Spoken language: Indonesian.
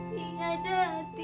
tidak ada orang yang peduli